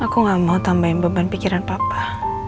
aku gak mau tambahin beban pikiran papa